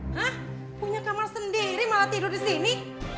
hah punya kamar sendiri malah tidur disini